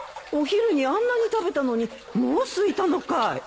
お昼にあんなに食べたのにもうすいたのかい。